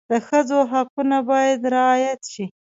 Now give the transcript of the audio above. د ښځو حقونه باید رعایت شي.